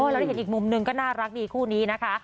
แล้วได้เห็นอีกมุมหนึ่งก็น่ารักดีคู่นี้นะคะ